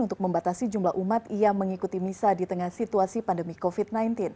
untuk membatasi jumlah umat yang mengikuti misa di tengah situasi pandemi covid sembilan belas